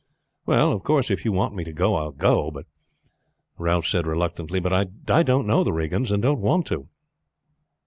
"Well, of course, if you want me to go I will go," Ralph said reluctantly. "But I don't know the Regans, and don't want to."